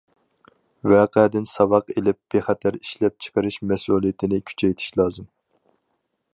ۋەقەدىن ساۋاق ئېلىپ، بىخەتەر ئىشلەپچىقىرىش مەسئۇلىيىتىنى كۈچەيتىش لازىم.